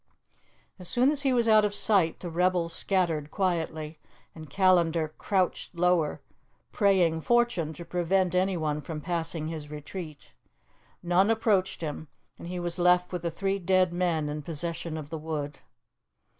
As soon as he was out of sight, the rebels scattered quietly, and Callandar crouched lower, praying fortune to prevent anyone from passing his retreat. None approached him, and he was left with the three dead men in possession of the wood.